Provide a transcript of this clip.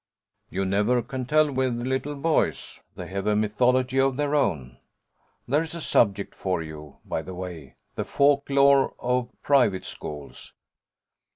'You never can tell with little boys. They have a mythology of their own. There's a subject for you, by the way "The Folklore of Private Schools".'